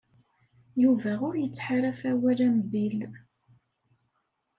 Yuba ur yettḥaṛaf awal am Bill.